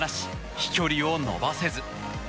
飛距離を伸ばせず。